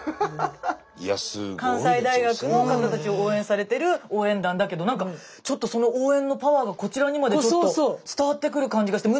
関西大学の方たちを応援されている応援団だけど何かちょっとその応援のパワーがこちらにまでちょっと伝わってくる感じがして。